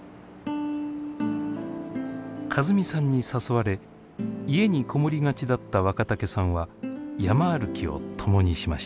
和美さんに誘われ家に籠もりがちだった若竹さんは山歩きを共にしました。